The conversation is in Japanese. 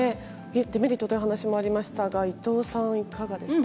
デメリットという話もありましたが、伊藤さん、いかがですか？